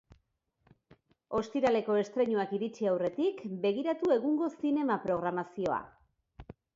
Ostiraleko estreinuak iritsi aurretik, begiratu egungo zinema-programazioa.